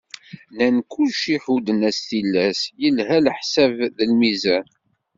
Nnan kulci ḥudden-as tilas, yelha leḥsab d lmizan.